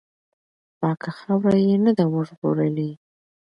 پاکه خاوره یې نه ده وژغورلې.